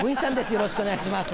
よろしくお願いします。